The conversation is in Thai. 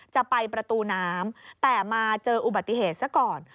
จะไปประตูน้ำแต่มาเจออุบัติเหตุซะก่อน